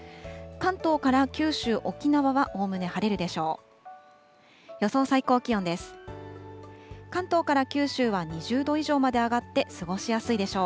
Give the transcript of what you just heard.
関東から九州、沖縄はおおむね晴れるでしょう。